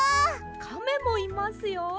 カメもいますよ。